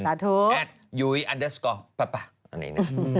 แอดยุ้ยอันเดอร์สกอร์ป่ะอันนี้นะ